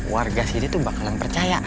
warga sini tuh bakalan percaya